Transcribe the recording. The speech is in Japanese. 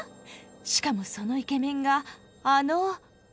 しかもそのイケメンがあの。